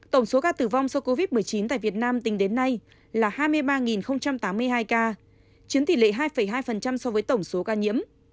tổng số ca tử vong do covid một mươi chín tại việt nam tính đến nay là hai mươi ba tám mươi hai ca chiếm tỷ lệ hai hai so với tổng số ca nhiễm